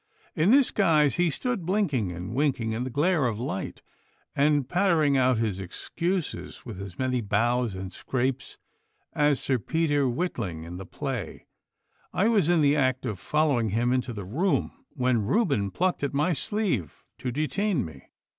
In this guise he stood blinking and winking in the glare of light, and pattering out his excuses with as many bows and scrapes as Sir Peter Witling in the play. I was in the act of following him into the room, when Reuben plucked at my sleeve to detain me.